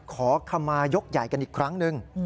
ขอคำมายกใหญ่กันอีกครั้งหนึ่ง